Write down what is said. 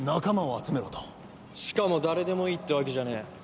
しかも誰でもいいってわけじゃねえ。